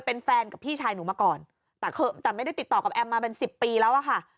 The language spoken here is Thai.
พี่ชายหนูมาก่อนแต่ไม่ได้ติดต่อกับแอมมาเป็น๑๐ปีแล้วอ่ะค่ะ